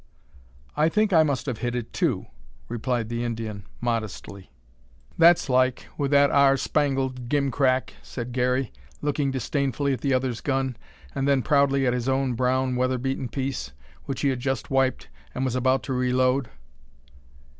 "I think I must have hit it too," replied the Indian, modestly. "That's like, with that ar' spangled gimcrack!" said Garey, looking disdainfully at the other's gun, and then proudly at his own brown weather beaten piece, which he had just wiped, and was about to reload.